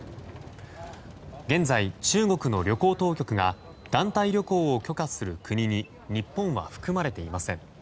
現在、中国の旅行当局が団体旅行を許可する国に日本は含まれていません。